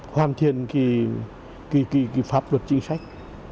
hoàn thiện cái pháp luật chính sách